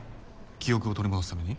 記憶を取り戻すために？